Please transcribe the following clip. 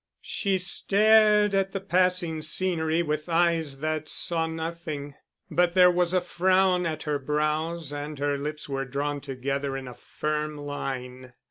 She stared at the passing scenery with eyes that saw nothing. But there was a frown at her brows and her lips were drawn together in a firm line.